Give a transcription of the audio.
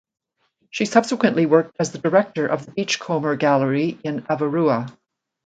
She subsequently worked as the director of the Beachcomber Gallery in Avarua.